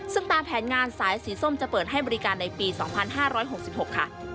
ซึ่งตามแผนงานสายสีส้มจะเปิดให้บริการในปี๒๕๖๖ค่ะ